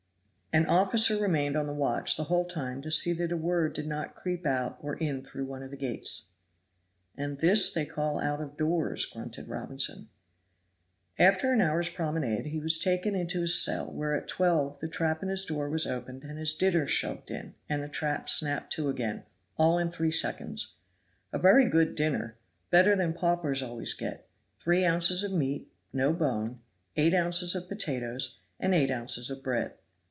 An officer remained on the watch the whole time to see that a word did not creep out or in through one of the gates. "And this they call out of doors," grunted Robinson. After an hour's promenade he was taken into his cell, where at twelve the trap in his door was opened and his dinner shoved in and the trap snapped to again, all in three seconds. A very good dinner, better than paupers always get three ounces of meat no bone, eight ounces of potatoes, and eight ounces of bread.